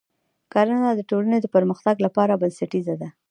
کرنه د ټولنې د پرمختګ لپاره بنسټیزه ده.